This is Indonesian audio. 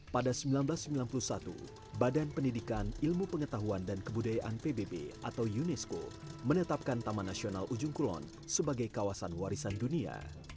pada seribu sembilan ratus sembilan puluh satu badan pendidikan ilmu pengetahuan dan kebudayaan pbb atau unesco menetapkan taman nasional ujung kulon sebagai kawasan warisan dunia